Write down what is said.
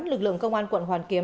lực lượng công an quận hoàn kiếm